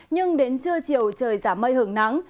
nhưng đến trưa chiều trời giảm mây hưởng nắng